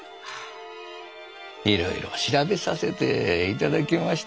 いろいろ調べさせていただきましたんや。